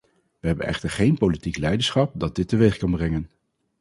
We hebben echter geen politiek leiderschap dat dit teweeg kan brengen.